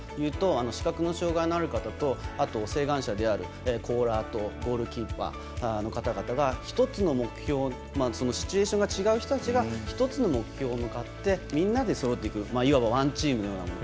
視覚の障がいのある方と晴眼者であるボーラーとゴールキーパーの方々がシチュエーションの違う人が１つの目標に向かってみんなで育てていくワンチームのようなもの。